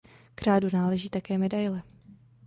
K řádu náleží také medaile.